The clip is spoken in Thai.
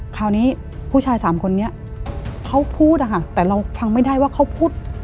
คราวนี้ผู้ชายสามคนนี้เขาพูดอะค่ะแต่เราฟังไม่ได้ว่าเขาพูด